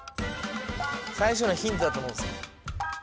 最初のヒントだと思うんです。